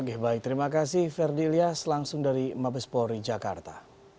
oke baik terima kasih ferdi ilyas langsung dari mabes polri jakarta